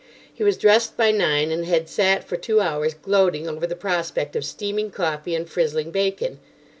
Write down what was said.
He was dressed by nine, and had sat for two hours gloating over the prospect of steaming coffee and frizzling bacon.